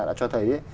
đã cho thấy